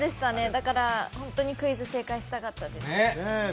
だから絶対にクイズ正解したかったです。